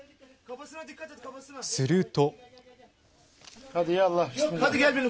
すると。